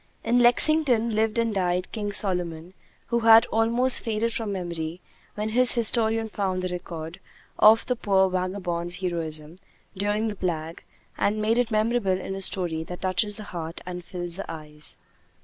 In Lexington lived and died "King Solomon," who had almost faded from memory when his historian found the record of the poor vagabond's heroism during the plague, and made it memorable in a story that touches the heart and fills the eyes.